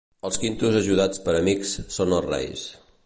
Els quintos ajudats per amics són els reis.